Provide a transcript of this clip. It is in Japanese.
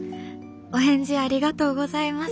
お返事ありがとうございます。